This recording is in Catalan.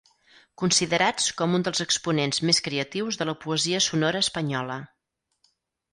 Considerats com un dels exponents més creatius de la poesia sonora espanyola.